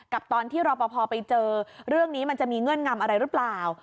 ตอนที่รอปภไปเจอเรื่องนี้มันจะมีเงื่อนงำอะไรหรือเปล่า